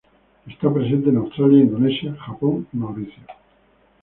Está presente en Australia, Indonesia, Japón y Mauricio.